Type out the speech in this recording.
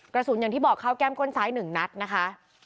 กระสุนอย่างที่บอกเขาแก้มก้นสาย๑นัดนะคะ